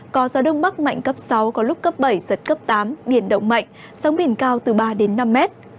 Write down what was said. có gió đông bắc mạnh cấp sáu có lúc cấp bảy giật cấp tám biển động mạnh sóng biển cao từ ba đến năm mét